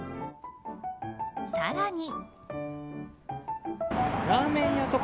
更に。